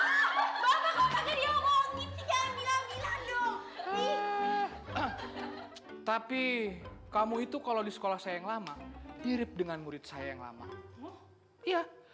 grande tapi kamu itu kalau di sekolah saya yang lama irit dengan murid saya yang lama oh iya